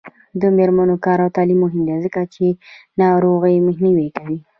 د میرمنو کار او تعلیم مهم دی ځکه چې ناروغیو مخنیوی کوي.